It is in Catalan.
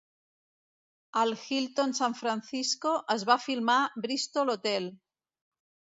Al Hilton San Francisco es va filmar "Bristol Hotel".